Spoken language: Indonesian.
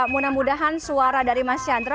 mudah mudahan suara dari mas chandra